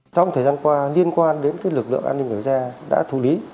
trong thời gian qua liên quan đến cái lực lượng an ninh nổi da đã thủ lý